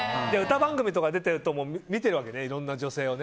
歌番組とか出てると見てるわけね、いろんな女性を。